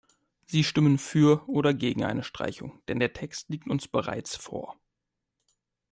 Sie stimmen für oder gegen eine Streichung, denn der Text liegt uns bereits vor.